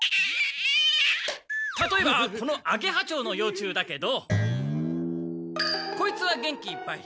たとえばこのアゲハチョウの幼虫だけどこいつは元気いっぱい。